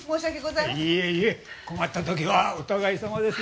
いえいえ困った時はお互いさまです。